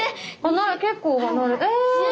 ⁉結構離れ。え。